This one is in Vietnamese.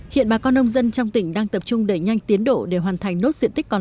hiện bà con nông dân trong tỉnh đang tập trung đẩy nhanh tiến độ để hoàn thành nốt diện tích còn